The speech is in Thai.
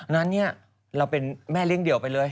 ดันนั้นนี่เราเป็นแม่เร่งเดี่ยวไปเลย